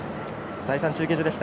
第３中継所でした。